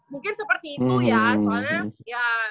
mungkin seperti itu ya soalnya